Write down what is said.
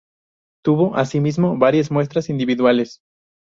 Tuvo asimismo varias muestras individuales.